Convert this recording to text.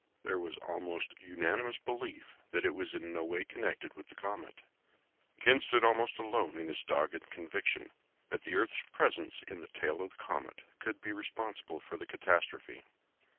There was almost unanimous belief that it was in no way connected with the comet. Ken stood almost alone in his dogged conviction that the Earth's presence in the tail of the comet could be responsible for the catastrophe.